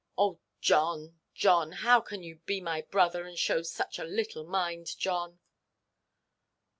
Oh, John, John, how can you be my brother, and show such a little mind, John?"